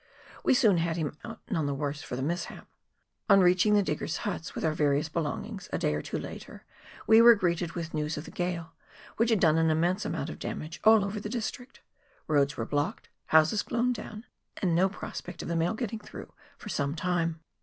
"We soon had him out, none the worse for the mishap. On reaching the diggers' huts with our various belongings, a day or two later, we were greeted with news of the gale, which had done an immense amount of damage all over the district. Roads were blocked, houses blown down, and no jDrospect of the mail getting through for some time.